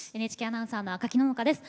ＮＨＫアナウンサーの赤木野々花です。